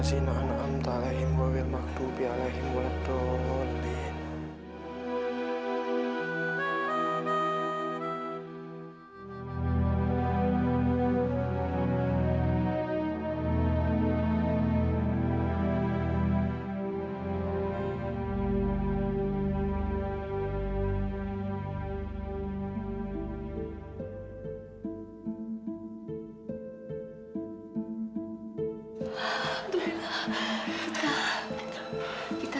sampai jumpa di video selanjutnya